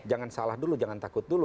jangan salah dulu jangan takut dulu